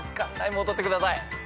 戻ってください。